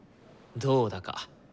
どうだか。